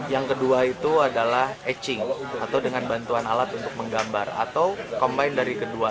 yang kedua itu adalah etching atau dengan bantuan alat untuk menggambar atau combine dari kedua